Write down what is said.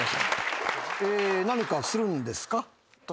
何かするんですか？